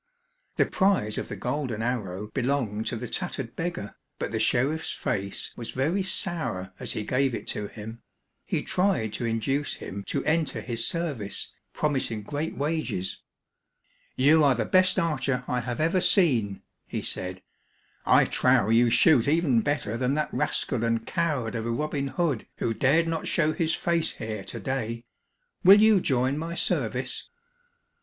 The prize of the golden arrow belonged to the tattered beggar, but the sheriff's face was very sour as he gave it to him. He tried to induce him to enter his service, promising great wages. "You are the best archer I have ever seen," he said. "I trow you shoot even better than that rascal and coward of a Robin Hood who dared not show his face here today. Will you join my service?"